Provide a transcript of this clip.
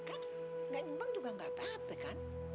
kan gak nyumbang juga gak apa apa kan